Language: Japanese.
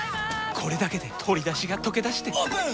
これだけで鶏だしがとけだしてオープン！